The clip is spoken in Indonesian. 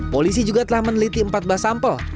polisi juga telah meneliti empat belas sampel